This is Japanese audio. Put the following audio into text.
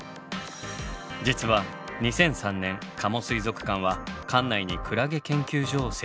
実は２００３年加茂水族館は館内にクラゲ研究所を設置したのです。